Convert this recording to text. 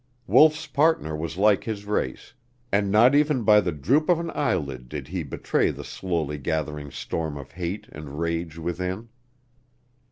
Wolf's partner was like his race, and not even by the droop of an eyelid did he betray the slowly gathering storm of hate and rage within.